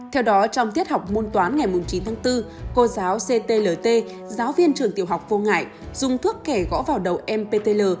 theo đó trong tiết học môn toán ngày chín tháng bốn cô giáo ctlt giáo viên trường tiểu học vô ngại dùng thuốc kẻ gõ vào đầu em ptl